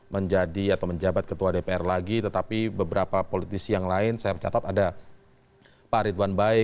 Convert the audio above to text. menjadi atau menjabat ketua dpr lagi tetapi beberapa politisi yang lain saya mencatat ada pak ridwan baik